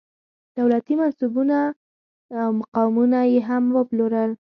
دولتي منصبونه او مقامونه یې هم وپلورل.